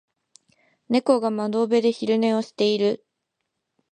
猫が窓辺で昼寝をしている。